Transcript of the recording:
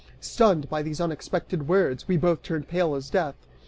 Stunned by these unexpected words, we both turned pale as death.